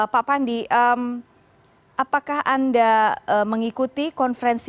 pak pandi apakah anda mengikuti konferensi